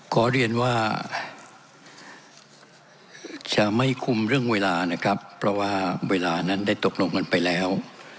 ขอเรียนว่าจะไม่คุมเรื่องเวลานะครับเพราะว่าเวลานั้นได้ตกลงกันไปแล้ว